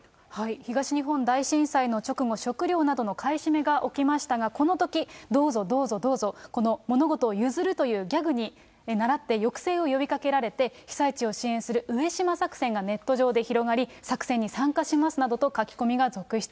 東日本大震災の直後、食料などの買占めが起きましたが、このとき、どうぞどうぞどうぞ、この物事を譲るというギャグにならって、抑制を呼びかけられて、被災地を支援する上島作戦がネット上に広がり、作戦に参加しますなどと、書き込みが続出。